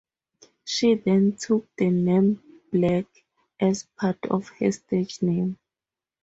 She then took the name Black as part of her stage name.